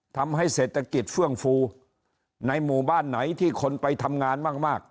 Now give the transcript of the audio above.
ทำให้เศรษฐกิจเฟื่องฟูในหมู่บ้านไหนที่คนไปทำงานมาก